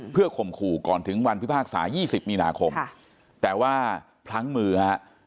เพื่อข่มขู่ก่อนถึงวันพิพากษา๒๐มีนาคมแต่ว่าพลั้งมือฮะ